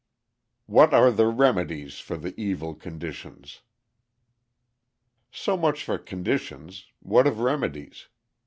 What Are the Remedies for the Evil Conditions? So much for conditions; what of remedies?